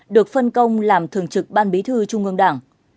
được phân công làm thường trực ban bí thư trung ương đảng